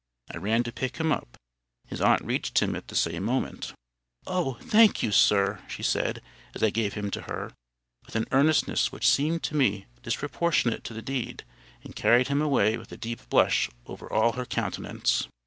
I ran to pick him up. His aunt reached him at the same moment. "Oh, thank you, sir!" she said, as I gave him to her, with an earnestness which seemed to me disproportionate to the deed, and carried him away with a deep blush over all her countenance.